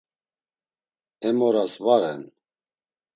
Em oras va ren!